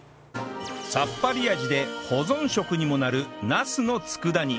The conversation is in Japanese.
さっぱり味で保存食にもなるなすの佃煮